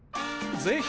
ぜひ！